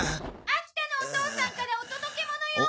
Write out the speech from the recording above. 秋田のお義父さんからお届け物よ！